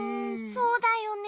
そうだよね。